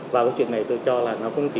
vào cái chuyện này tôi cho là nó không thể